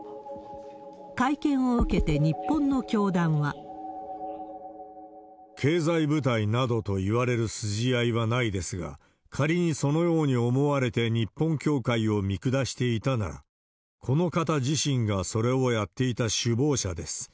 会見を受けて日本の教団は。経済部隊などと言われる筋合いはないですが、仮にそのように思われて日本教会を見下していたなら、この方自身がそれをやっていた首謀者です。